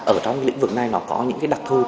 ở trong lĩnh vực này nó có những đặc thu